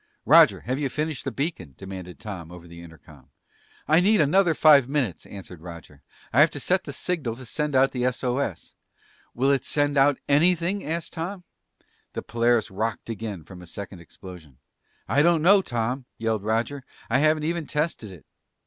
"Roger! Have you finished the beacon?" demanded Tom over the intercom. "I need another five minutes!" answered Roger. "I have to set the signal to send out the SOS." "Will it send out anything?" asked Tom. The Polaris rocked again from a second explosion. "I don't know, Tom," yelled Roger. "I haven't even tested it!"